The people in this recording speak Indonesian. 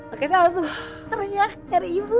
oke saya langsung ternyata cari ibu